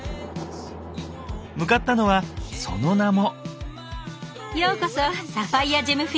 向かったのはその名も。